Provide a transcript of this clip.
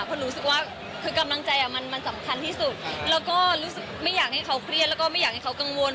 เพราะรู้สึกว่าคือกำลังใจมันมันสำคัญที่สุดแล้วก็รู้สึกไม่อยากให้เขาเครียดแล้วก็ไม่อยากให้เขากังวล